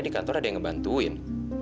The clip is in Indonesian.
di kantor ada yang ngebantuin